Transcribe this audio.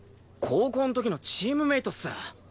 高校の時のチームメートっす。